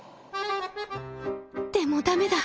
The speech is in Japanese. でもダメだ！